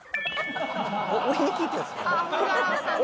これ俺に聞いてるんですよね？